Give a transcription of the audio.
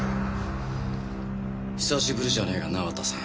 久しぶりじゃねえか名和田さん。